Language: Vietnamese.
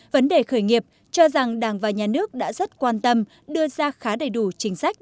vấn đề khởi nghiệp cho rằng đảng và nhà nước đã rất quan tâm đưa ra khá đầy đủ chính sách